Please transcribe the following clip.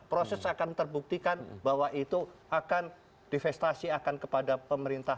proses akan terbuktikan bahwa itu akan divestasi akan kepada pemerintah